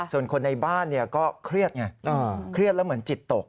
ส่วนคนในบ้านก็เครียดไงเครียดแล้วเหมือนจิตตก